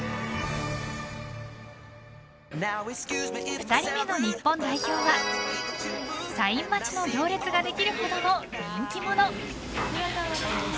２人目の日本代表はサイン待ちの行列ができるほどの人気者。